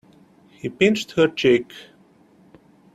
He pinched her cheek.